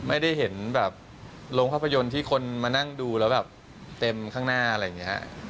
ไม่ได้เห็นแบบโรงภาพยนตร์ที่คนมานั่งดูแล้วแบบเต็มข้างหน้าอะไรอย่างนี้